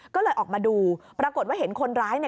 ก็เลยออกมาดูปรากฏว่าเห็นคนร้ายเนี่ย